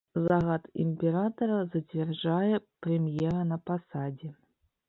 Загад імператара зацвярджае прэм'ера на пасадзе.